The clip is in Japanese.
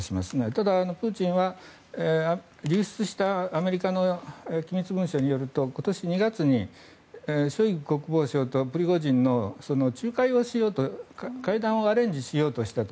ただ、プーチンは流出したアメリカの機密文書によると今年２月にショイグ国防相とプリゴジンの仲介をしようと会談をアレンジしようとしたと。